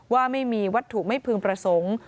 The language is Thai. ว่าไม่มีวัตถุไม่พึงประสงค์